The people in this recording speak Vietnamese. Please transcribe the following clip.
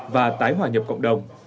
và tái hoàn nhập cộng đồng